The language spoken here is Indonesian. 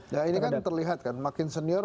nah ini kan terlihat kan makin senior